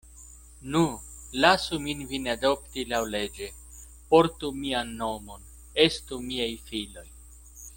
Nu, lasu min vin adopti laŭleĝe; portu mian nomon; estu miaj filoj.